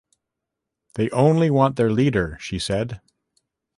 “They only want their leader,” she said.